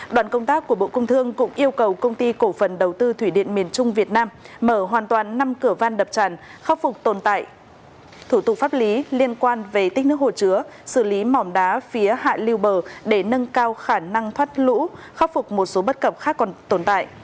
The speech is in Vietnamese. đoàn công tác của bộ công thương cũng yêu cầu công ty cổ phần đầu tư thủy điện miền trung việt nam mở hoàn toàn năm cửa van đập tràn khắc phục tồn tại thủ tục pháp lý liên quan về tích nước hồ chứa xử lý mỏm đá phía hạ lưu bờ để nâng cao khả năng thoát lũ khắc phục một số bất cập khác còn tồn tại